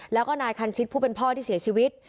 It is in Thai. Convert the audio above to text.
แล้วก็นายคันชิตผู้เป็นพ่อที่เสียชีวิต